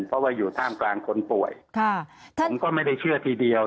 เพราะว่าอยู่ท่ามกลางคนป่วยผมก็ไม่ได้เชื่อทีเดียว